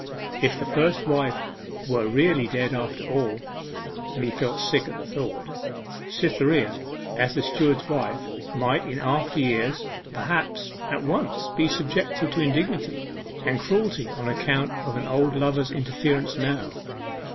If the first wife were really dead after all and he felt sick at the thought Cytherea as the steward's wife might in after years perhaps, at once be subjected to indignity and cruelty on account of an old lover's interference now.